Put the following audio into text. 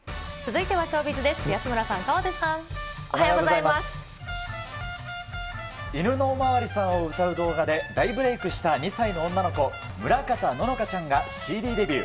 いぬのおまわりさんを歌う動画で大ブレークした２歳の女の子、村方乃々佳ちゃんがＣＤデビュー。